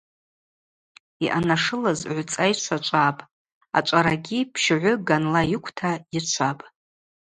Йъанашылыз гӏвцӏайчва чӏвапӏ, ачӏварагьи пщгӏвы ганла йыквта йычвапӏ.